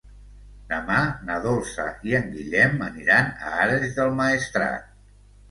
Demà na Dolça i en Guillem aniran a Ares del Maestrat.